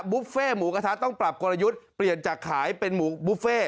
บุฟเฟ่หมูกระทะต้องปรับกลยุทธ์เปลี่ยนจากขายเป็นหมูบุฟเฟ่